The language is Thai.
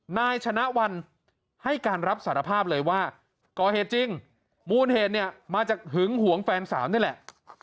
นายชนะวันให้การรับสารภาพเลยว่าก่อเหตุจริงมูลเหตุเนี่ยมาจากหึงหวงแฟนสาวนี่แหละ